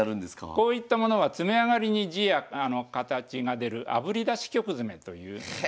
こういったものは詰めあがりに字や形が出るあぶり出し曲詰というへえ！